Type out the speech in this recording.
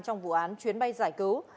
trong vụ án chuyến bay giải cứu